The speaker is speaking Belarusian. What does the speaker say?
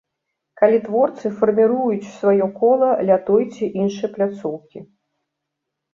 Калі творцы фарміруюць сваё кола ля той ці іншай пляцоўкі.